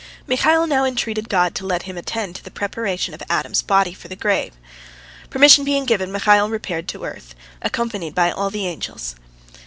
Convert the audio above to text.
Michael now entreated God to let him attend to the preparation of Adam's body for the grave. Permission being given, Michael repaired to earth, accompanied by all the angels.